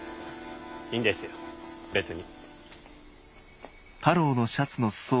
いいんですよ別に。